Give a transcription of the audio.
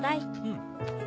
うん。